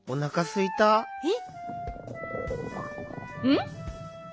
うん？